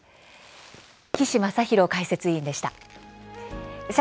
岸正浩解説委員でした。